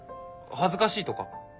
恥ずかしいとか？